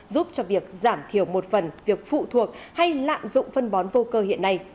giúp cho việc giảm thiểu một phần việc phụ thuộc hay lạm dụng phân bón vô cơ hiện nay